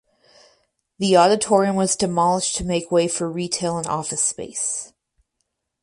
The auditorium was demolished to make way for retail and office space.